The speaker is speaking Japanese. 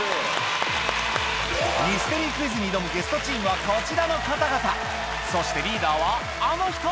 ミステリークイズに挑むゲストチームはこちらの方々そしてリーダーはあの人！